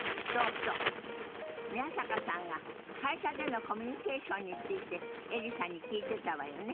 宮坂さんが会社でのコミュニケーションについてエリさんに聞いてたわよね。